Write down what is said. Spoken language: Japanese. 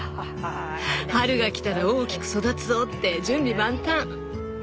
「春が来たら大きく育つぞ」って準備万端。